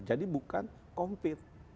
jadi bukan kompit